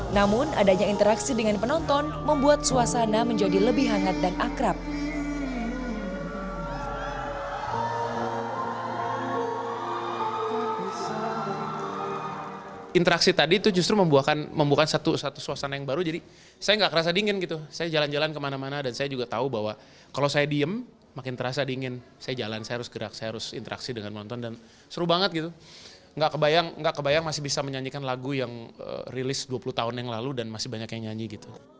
namun adanya interaksi dengan penonton membuat suasana menjadi lebih hangat dan akrab